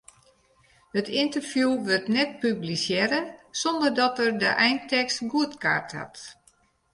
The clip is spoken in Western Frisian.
It ynterview wurdt net publisearre sonder dat er de eintekst goedkard hat.